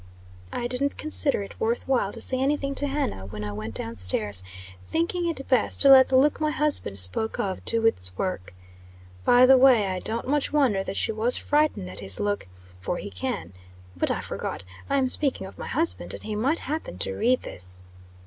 I didn't consider it worth while to say any thing to Hannah when I went down stairs, thinking it best to let the look my husband spoke of, do its work. By the way, I don't much wonder that she was frightened at his look for he can But I forgot I am speaking of my husband, and he might happen to read this.